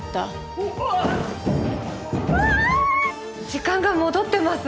時間が戻ってます！